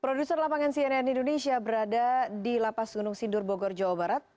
produser lapangan cnn indonesia berada di lapas gunung sindur bogor jawa barat